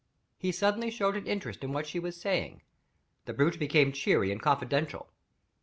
He suddenly showed an interest in what she was saying: the brute became cheery and confidential.